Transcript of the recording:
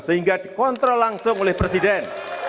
sehingga dikontrol langsung oleh presiden